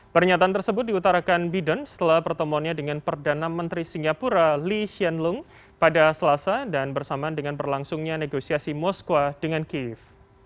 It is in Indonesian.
pernyataan tersebut diutarakan biden setelah pertemuannya dengan perdana menteri singapura lee hsien loong pada selasa dan bersamaan dengan berlangsungnya negosiasi moskwa dengan kiev